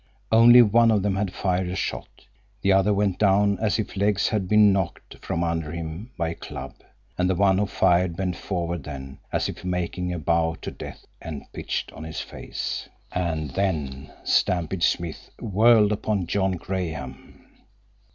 Only one of them had fired a shot. The other went down as if his legs had been knocked from under him by a club, and the one who fired bent forward then, as if making a bow to death, and pitched on his face. And then Stampede Smith whirled upon John Graham.